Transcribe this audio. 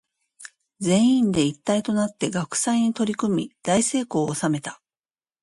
全員で一体となって学祭に取り組み大成功を収めた。